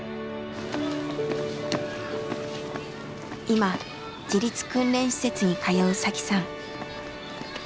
今自立訓練施設に通う紗輝さん。